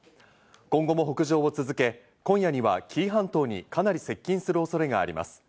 今後も北上を続け、今夜には紀伊半島にかなり接近する恐れがあります。